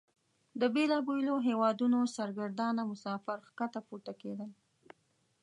د بیلابیلو هیوادونو سرګردانه مسافر ښکته پورته کیدل.